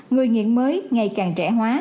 người nghiện mới ngày càng trẻ hóa